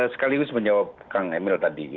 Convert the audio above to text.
sekaligus menjawab kang emil tadi